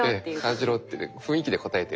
「感じろ」って雰囲気で答えてる。